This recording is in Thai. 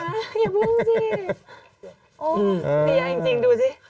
โอ้เดี๋ยวจริงดูสิ